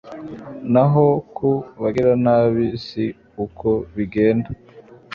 naho ku bagiranabi si uko bigenda